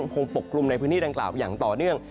ปกคลุมในพื้นที่ดังกล่าวอย่างต่อเนื่อง